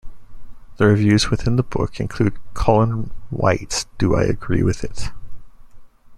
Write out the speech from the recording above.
The reviews within the book include Colin Wight's Do I agree with it?